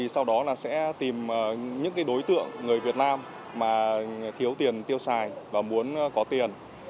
sau đó là sẽ tìm những đối tượng người việt nam mà thiếu tiền tiêu xài và muốn có tiền